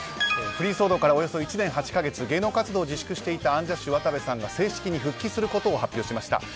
不倫騒動からおよそ１年８か月芸能活動を自粛していたアンジャッシュ渡部さんが正式に復帰すること発表しました。